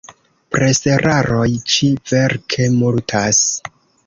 Preseraroj ĉi-verke multas.